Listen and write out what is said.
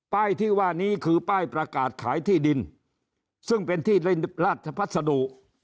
ป้ายที่ว่านี้คือป้ายประกาศขายที่ดินซึ่งเป็นที่เล่นราชพัสดุ